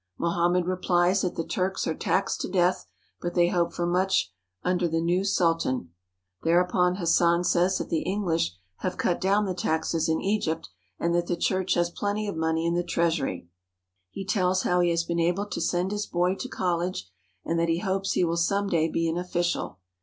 Mohammed replies that the Turks are taxed to death, but they hope for much under the new Sultan. Thereupon Hassan says that the English 258 AMERICAN LEAVEN IN THE NEAR EAST have cut down the taxes in Egypt and that the church has plenty of money in the treasury. He tells how he has been able to send his boy to college, and that he hopes he will some day be an official.